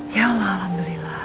ya allah alhamdulillah